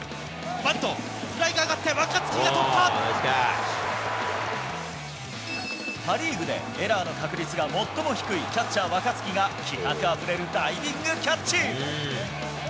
バント、パ・リーグでエラーの確率が最も低いキャッチャー、若月が気迫あふれるダイビングキャッチ。